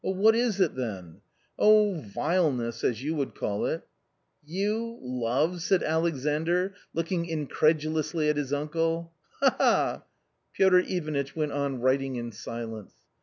" What is it then ?"" Oh, vileness, as you would call it." "You — love!" said Alexandr, looking incredulously at his uncle, " ha ! ha ! ha !" Piotr Ivanitch went on writing in silence.